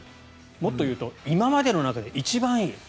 もっと言うと今までの中で一番いい。